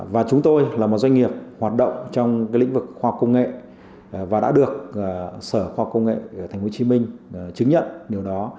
và chúng tôi là một doanh nghiệp hoạt động trong cái lĩnh vực khoa công nghệ và đã được sở khoa công nghệ thành phố hồ chí minh chứng nhận điều đó